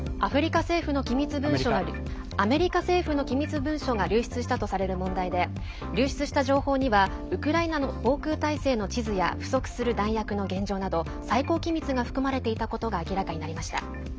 アメリカ政府の機密文書が流出したとされる問題で流出した情報にはウクライナの防空体制の地図や不足する弾薬の現状など最高機密が含まれていたことが明らかになりました。